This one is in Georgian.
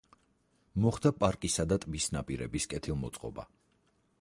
მოხდა პარკისა და ტბის ნაპირების კეთილმოწყობა.